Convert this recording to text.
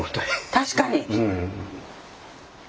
確かに。